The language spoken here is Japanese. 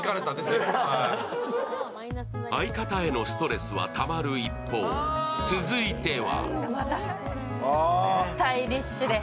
相方へのストレスはたまる一方、続いてはスタイリッシュで。